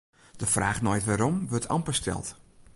De fraach nei it wêrom wurdt amper steld.